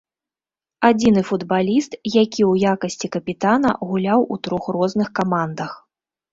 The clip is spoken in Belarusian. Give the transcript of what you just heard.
Адзіны футбаліст, які ў якасці капітана гуляў у трох розных камандах.